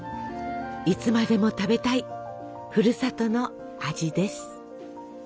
いつまでも食べたいふるさとの味です。